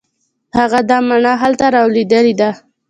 هغه ده مڼه هلته رالوېدلې ده.